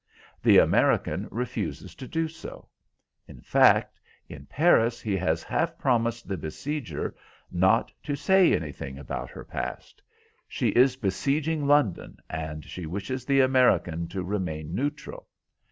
The American refuses to do so. In fact, in Paris he has half promised the besieger not to say anything about her past. She is besieging London, and she wishes the American to remain neutral.